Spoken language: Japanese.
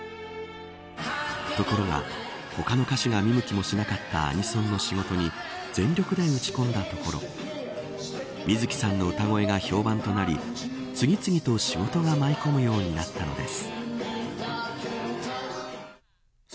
ところが、他の歌手が見向きもしなかったアニソンの仕事に全力で打ち込んだところ水木さんの歌声が評判となり次々と仕事が舞い込むようになったのです。